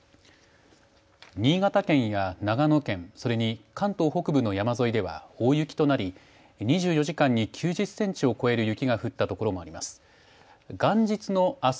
新潟県や長野県それに関東北部の山沿いでは大雪となり２４時間に９０センチを超える雪が降ったところもあります。